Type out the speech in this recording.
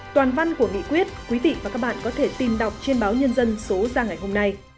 toàn văn của nghị quyết quý vị và các bạn có thể tìm đọc trên báo nhân dân số ra ngày hôm nay